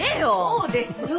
そうですよ